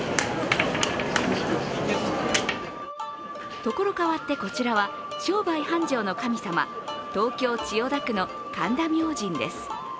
ところ変わってこちらは商売繁盛の神様東京・千代田区の神田明神です。